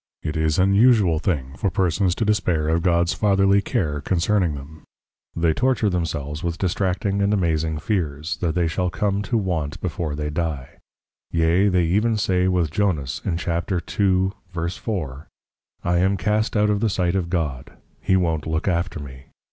_ It is an usual thing for Persons to dispair of Gods Fatherly Care Concerning them; they torture themselves with distracting and amazing Fears, that they shall come to want before they dy; Yea, they even say with Jonas, in Chap. 2.4. I am cast out of the sight of God; He wont look after me!